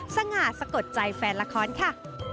สง่าสะกดใจแฟนละครค่ะ